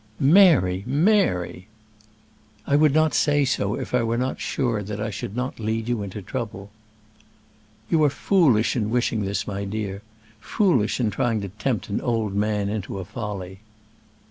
"Mary! Mary!" "I would not say so if I were not sure that I should not lead you into trouble." "You are foolish in wishing this, my dear; foolish in trying to tempt an old man into a folly."